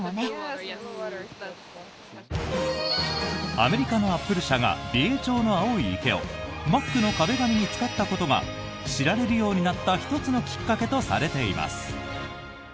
アメリカのアップル社が美瑛町の青い池をＭａｃの壁紙に使ったことが知られるようになった１つのきっかけとされています。